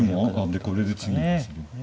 でこれで次行くんですね。